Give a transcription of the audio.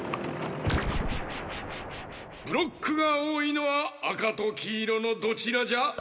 ブロックがおおいのはあかときいろのどちらじゃ？